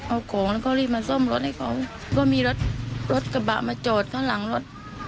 เอาของแล้วก็รีบมาซ่อมรถให้เขาก็มีรถรถกระบะมาจอดข้างหลังรถ